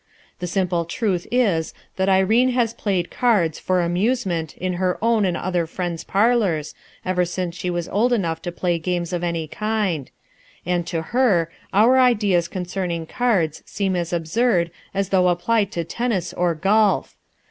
"The simple truth is that Irene has played cards, for amusement, in her own and her friends' parlors, ever since she was old enough to play games of any land ; and to her, our ideas concerning cards seem as absurd as though applied to tennis or golf.